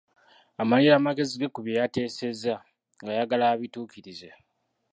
Amalira amagezi ge ku bye yateesezza, ng'ayagala abituukirize.